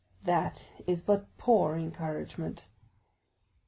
"That is but poor encouragement."